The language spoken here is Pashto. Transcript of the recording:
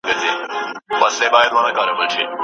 په دې ډېر ولس کې چا وهلی مول دی